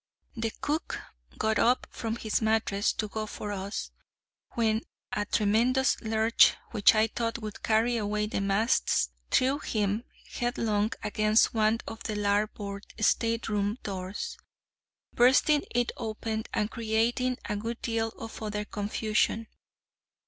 The cook got up from his mattress to go for us, when a tremendous lurch, which I thought would carry away the masts, threw him headlong against one of the larboard stateroom doors, bursting it open, and creating a good deal of other confusion.